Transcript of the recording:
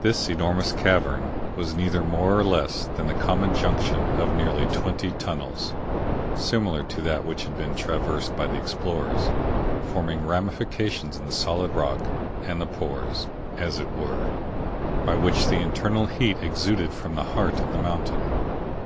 This enormous cavern was neither more or less than the common junction of nearly twenty tunnels (similar to that which had been traversed by the explorers), forming ramifications in the solid rock, and the pores, as it were, by which the internal heat exuded from the heart of the mountain.